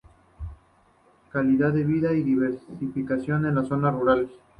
Calidad de vida y diversificación en las zonas rurales.